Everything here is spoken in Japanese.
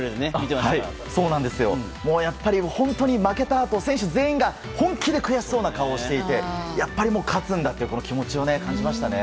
やっぱり本当に負けたあと、選手全員が本気で悔しそうな顔をしていて勝つんだという気持ちを感じましたね。